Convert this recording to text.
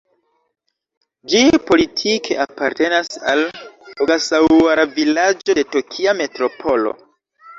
Ĝi politike apartenas al Ogasaŭara-vilaĝo de Tokia Metropolo.